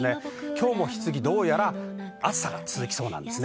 今日も、どうやら暑さが続きそうです。